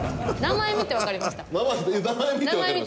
名前見てわかりました。